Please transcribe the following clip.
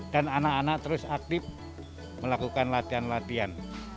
dan anak anak terus aktif melakukan latihan latian